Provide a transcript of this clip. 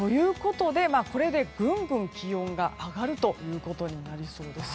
これでぐんぐん気温が上がるということになりそうです。